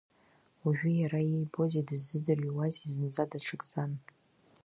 Уажәы иара иибози дыззыӡырҩуази зынӡа даҽакӡан.